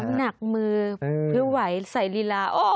น้ำหนักมือเพื่อไหวใส่ลีลาโอ้โห